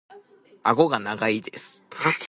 顎が長いです。